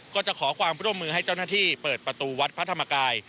ก็จะขอความร่วมมือให้เจ้าหน้าที่เปิดประตูวัดพระธรรมกาย